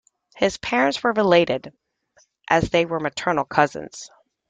His parents were related as they were maternal cousins.